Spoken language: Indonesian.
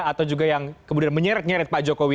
atau juga yang kemudian menyeret nyeret pak jokowi